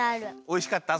おいしかった？